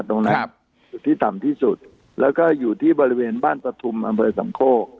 ตรงนั้นจุดที่ต่ำที่สุดแล้วก็อยู่ที่บริเวณบ้านปฐุมอำเภอสำโคก